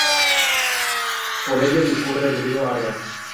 Por ella discurre el río Arga.